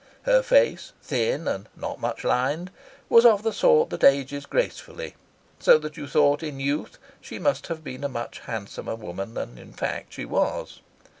Her face, thin and not much lined, was of the sort that ages gracefully, so that you thought in youth she must have been a much handsomer woman than in fact she was.